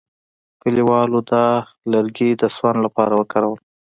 کلیوالو دا لرګي د سون لپاره وکارول.